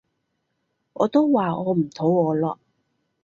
我都話我唔肚餓咯